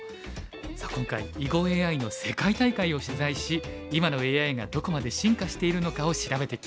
さあ今回囲碁ＡＩの世界大会を取材し今のＡＩがどこまで進化しているのかを調べてきました。